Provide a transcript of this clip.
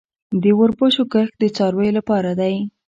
د وربشو کښت د څارویو لپاره دی